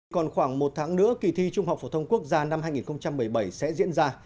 còn khoảng một tháng nữa kỳ thi trung học phổ thông quốc gia năm hai nghìn một mươi bảy sẽ diễn ra